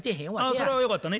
それはよかったね。